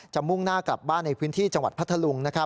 มุ่งหน้ากลับบ้านในพื้นที่จังหวัดพัทธลุง